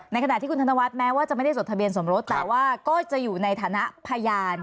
ขณะที่คุณธนวัฒนแม้ว่าจะไม่ได้จดทะเบียนสมรสแต่ว่าก็จะอยู่ในฐานะพยาน